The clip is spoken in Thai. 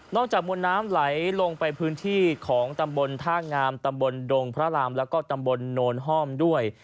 จากมวลน้ำไหลลงไปพื้นที่ของตำบลท่างามตำบลดงพระรามแล้วก็ตำบลโนนห้อมด้วย